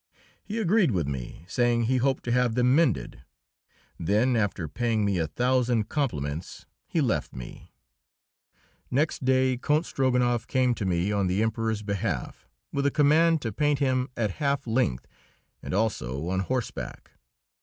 He agreed with me, saying he hoped to have them mended. Then, after paying me a thousand compliments, he left me. Next day Count Strogonoff came to me on the Emperor's behalf, with a command to paint him at half length, and also on horseback.